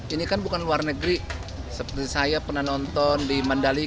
ini kan bukan luar negeri seperti saya pernah nonton di mandalika